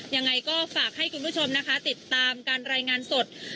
ยังไงก็ฝากให้คุณผู้ชมนะคะติดตามการรายงานสด